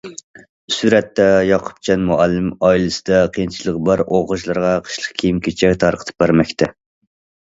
سۈرەتتە: ياقۇپجان مۇئەللىم ئائىلىسىدە قىيىنچىلىقى بار ئوقۇغۇچىلارغا قىشلىق كىيىم- كېچەك تارقىتىپ بەرمەكتە.